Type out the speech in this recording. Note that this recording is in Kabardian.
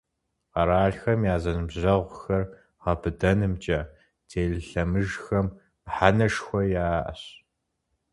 Къэралхэм я зэныбжьэгъугъэр гъэбыдэнымкӏэ телелъэмыжхэм мыхьэнэшхуэ яӏэщ.